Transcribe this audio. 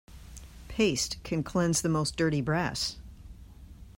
Paste can cleanse the most dirty brass.